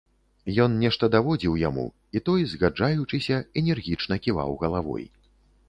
Ён нешта даводзіў яму, і той, згаджаючыся, энергічна ківаў галавой.